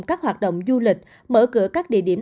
các hoạt động du lịch mở cửa các địa điểm